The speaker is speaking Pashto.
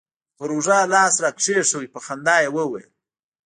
پر اوږه يې لاس راكښېښوو په خندا يې وويل.